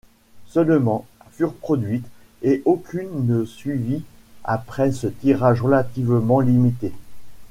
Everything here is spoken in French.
Seulement furent produites et aucune ne suivit après ce tirage relativement limité.